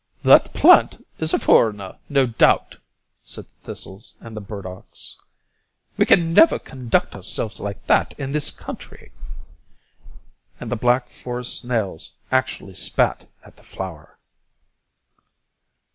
"That plant is a foreigner, no doubt," said the thistles and the burdocks. "We can never conduct ourselves like that in this country." And the black forest snails actually spat at the flower.